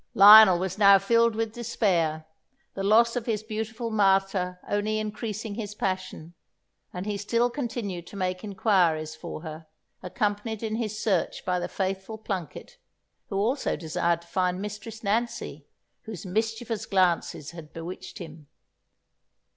Lionel was now filled with despair, the loss of his beautiful Martha only increasing his passion; and he still continued to make inquiries for her, accompanied in his search by the faithful Plunket, who also desired to find Mistress Nancy, whose mischievous glances had bewitched him.